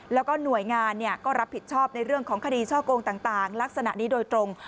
แล้วก็หน่วยงานก็รับผิดชอบในเรื่องของคดีช่อกงต่างลักษณะนี้โดยตรง